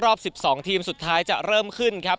รอบ๑๒ทีมสุดท้ายจะเริ่มขึ้นครับ